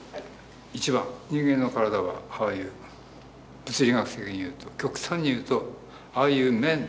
１番人間の体はああいう物理学的に言うと極端に言うとああいう面。